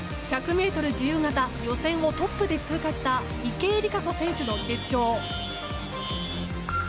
１００ｍ自由形予選をトップで通過した池江璃花子選手の決勝。